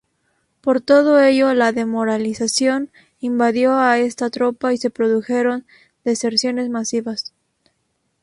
Por todo ello, la desmoralización invadió a esta tropa y se produjeron deserciones masivas.